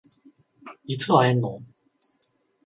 いつ会えんの？